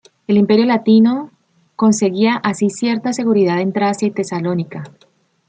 El Imperio Latino conseguía así cierta seguridad en Tracia y Tesalónica.